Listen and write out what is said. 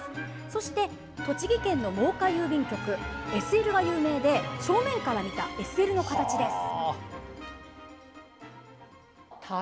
そして、栃木県の真岡郵便局ＳＬが有名で正面から見たＳＬの形です。